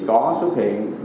có xuất hiện